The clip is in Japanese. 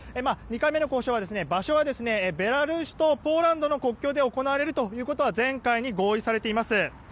２回目の交渉は場所はベラルーシとポーランドの国境で行われるということは前回に合意されています。